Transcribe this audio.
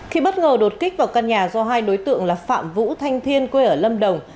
khi bất ngờ đột kích vào căn nhà do hai đối tượng là phạm vũ thanh thiên quê ở lâm đồng